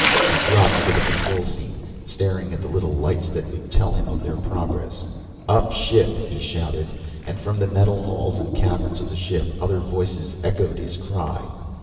He dropped to the control seat, staring at the little lights that would tell him of their progress. "Up ship!" he shouted, and from the metal halls and caverns of the ship other voices echoed his cry.